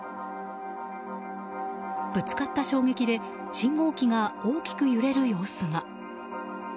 ぶつかった衝撃で信号機が大きく揺れる様子が。